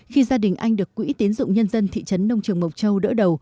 khi gia đình anh được quỹ tiến dụng nhân dân thị trấn nông trường mộc châu đỡ đầu